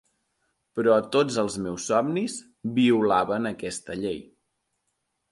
Però tots els meus somnis violaven aquesta llei.